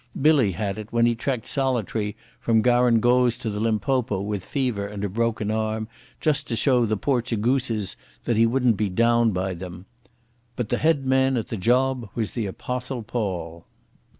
Billy had it when he trekked solitary from Garungoze to the Limpopo with fever and a broken arm just to show the Portugooses that he wouldn't be downed by them. But the head man at the job was the Apostle Paul